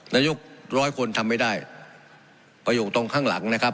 นายกร้อยคนทำไม่ได้ประโยคตรงข้างหลังนะครับ